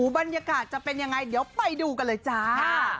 บรรยากาศจะเป็นยังไงเดี๋ยวไปดูกันเลยจ้า